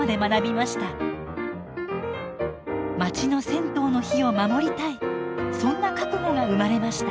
まちの銭湯の火を守りたいそんな覚悟が生まれました。